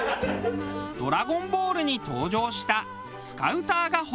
『ドラゴンボール』に登場したスカウターが欲しいです。